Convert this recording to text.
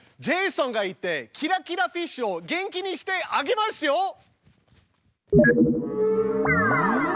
ジェイソンが行ってキラキラフィッシュを元気にしてあげますよ！